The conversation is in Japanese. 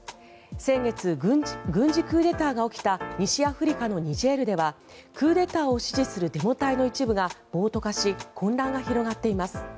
先月、軍事クーデターが起きた西アフリカのニジェールではクーデターを支持するデモ隊の一部が暴徒化し混乱が広がっています。